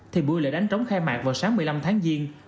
thì buổi lễ đánh trống khai mạc vào sáng một mươi năm tháng giêng